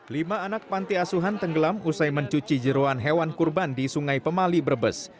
lima anak panti asuhan tenggelam usai mencuci jeruan hewan kurban di sungai pemali brebes